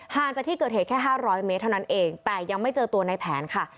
จากที่เกิดเหตุแค่๕๐๐เมตรเท่านั้นเองแต่ยังไม่เจอตัวในแผนค่ะ